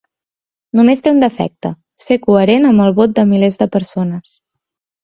Només té un defecte: Ser coherent amb el vot de milers de persones.